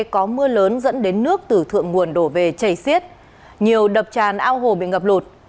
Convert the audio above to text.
có mưa lớn dẫn đến nước từ thượng nguồn đổ về chảy xiết nhiều đập tràn ao hồ bị ngập lụt